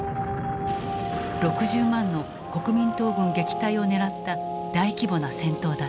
６０万の国民党軍撃退を狙った大規模な戦闘だった。